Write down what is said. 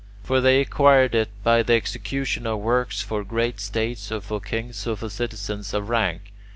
For they acquired it by the execution of works for great states or for kings or for citizens of rank.